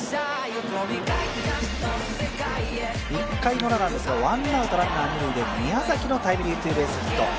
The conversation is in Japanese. １回ウラなんですがワンアウトランナー二塁で宮崎のタイムリーツーベースヒット。